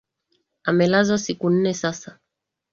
Amelazwa siku nne sasa